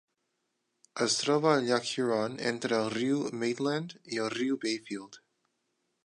Es troba al llac Huron entre el riu Maitland i el riu Bayfield.